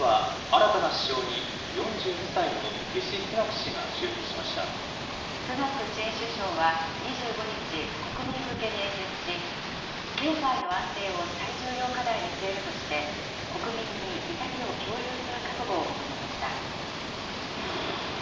新首相は、２５日、国民向けに演説し、経済の安定を最重要課題に据えるとして、国民に痛みを共有する覚悟を求めました。